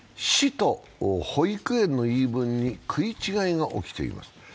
市と保育園の言い分に食い違いが起きています。